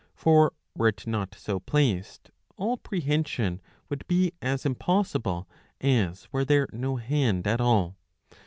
For were it not so placed all prehension would be as impossible, as were there no hand at all.